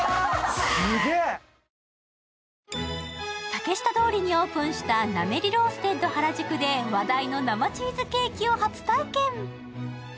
竹下通りにオープンしたＮａｍｅｒｙＲｏａｓｔｅｄ原宿で話題の生チーズケーキを初体験。